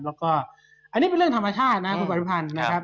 แล้วก็อันนี้เป็นเรื่องธรรมชาตินะคุณปฏิพันธ์นะครับ